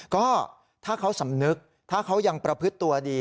ก็ถ้าเขาสำนึกถ้าเขายังประพฤติตัวดี